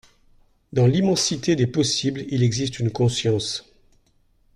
Dans l’immensité des possibles, il existe une conscience.